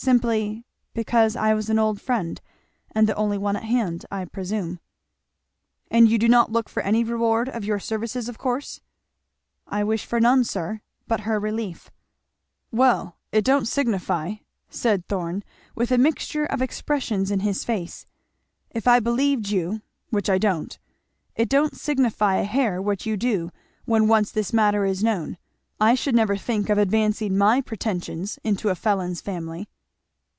"Simply because I was an old friend and the only one at hand, I presume." "And you do not look for any reward of your services, of course?" "I wish for none, sir, but her relief." "Well, it don't signify," said Thorn with a mixture of expressions in his face, "if I believed you, which I don't, it don't signify a hair what you do, when once this matter is known. I should never think of advancing my pretensions into a felon's family."